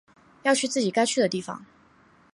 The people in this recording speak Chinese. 要去自己该去的地方